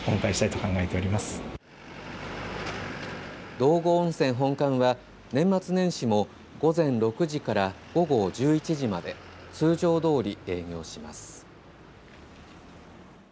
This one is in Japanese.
道後温泉本館は年末年始も午前６時から午後１１時まで通常どおり営業します。